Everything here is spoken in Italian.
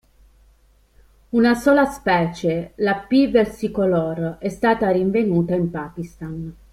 Una sola specie, la P. versicolor, è stata rinvenuta in Pakistan.